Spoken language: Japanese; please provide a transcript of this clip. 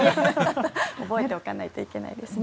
覚えておかないといけないですね。